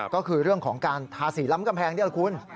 ก็คือเรื่องของการทาสีล้ำกำแพงนี่แหละคุณ